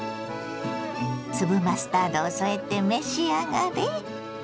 粒マスタードを添えて召し上がれ。